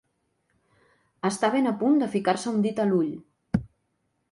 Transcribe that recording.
Està ben a punt de ficar-se un dit a l'ull.